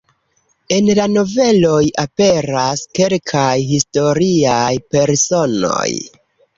En la noveloj aperas kelkaj historiaj personoj.